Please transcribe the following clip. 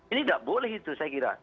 ini tidak boleh itu saya kira